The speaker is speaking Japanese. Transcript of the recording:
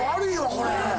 これ。